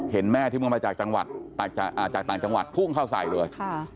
เห็นแม่ที่เพิ่งมาจากต่างจังหวัดพุ่งเข้าใส่เลย